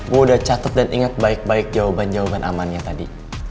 gue udah catet dan ingat baik baik jawaban jawaban amannya tadi